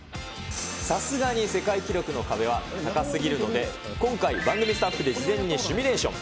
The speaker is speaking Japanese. さすがに世界記録の壁は高すぎるので、今回、番組スタッフで事前にシミュレーション。